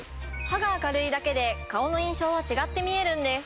歯が明るいだけで顔の印象は違って見えるんです。